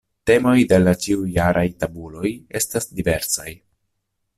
Temoj de la ĉiujaraj tabuloj estas diversaj.